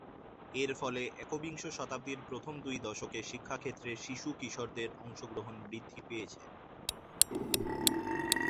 এর ফলে একবিংশ শতাব্দীর প্রথম দুই দশকে শিক্ষাক্ষেত্রে শিশু-কিশোদের অংশগ্রহণ বৃদ্ধি পেয়েছে।